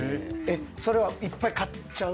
それはいっぱい買っちゃう？